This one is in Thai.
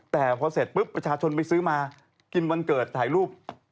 แต่พอเสร็จปุ๊บประชาชนไปซื้อมากินวันเกิดถ่ายรูป